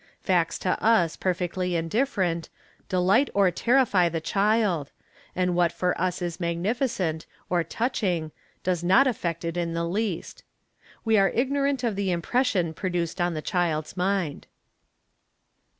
Facts to us perfectly indifferent, delight or terrify the child, and what for us is magnificent or touching does not affect it in the least. We are ignorant of the impression produced on the child's mind.